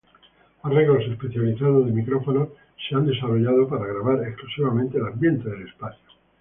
Arreglos especializados de micrófonos han sido desarrollados para grabar exclusivamente el ambiente del espacio.